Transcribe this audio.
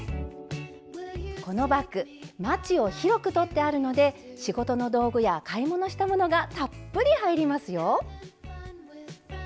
このバッグまちを広く取ってあるので仕事の道具や買い物したものがたっぷり入りますよ。